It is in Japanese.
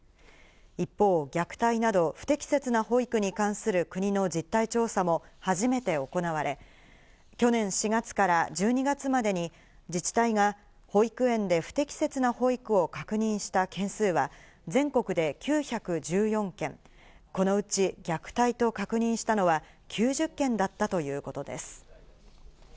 一方、虐待など不適切な保育に関する国の実態調査も初めて行われ、去年４月から１２月までに自治体が保育園で不適切な保育を確認した件数は、全国で９１４件、このうち虐待と確認したのは９０件だったということです。